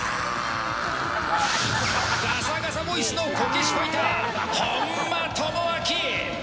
ガサガサボイスのこけしファイター・本間朋晃！